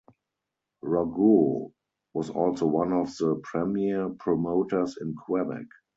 Rougeau was also one of the premier promoters in Quebec.